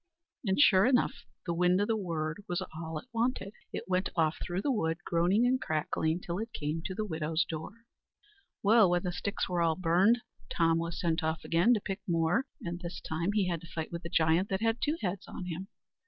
And sure enough the wind o' the word was all it wanted. It went off through the wood, groaning and crackling, till it came to the widow's door. Well, when the sticks were all burned, Tom was sent off again to pick more; and this time he had to fight with a giant that had two heads on him.